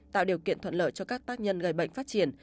tạo điều kiện thuận lợi cho các tác nhân gây bệnh phát triển